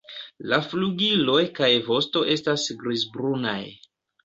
La flugiloj kaj vosto estas grizbrunaj.